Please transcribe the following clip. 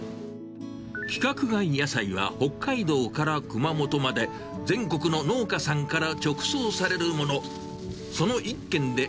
規格外野菜は北海道から熊本まで、全国の農家さんから直送されるもの。